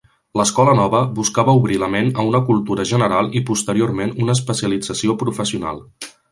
L'escola nova buscava obrir la ment a una cultura general i posteriorment una especialització professional.